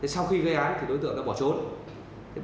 sau khi gây án đối tượng đã bỏ trốn